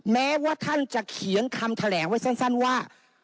แม้ว่าท่านจะเขียนคำแถลงไว้สั้นว่า